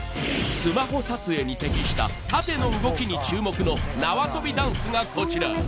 スマホ撮影に適した縦の動きに注目の縄跳びダンスがこちら。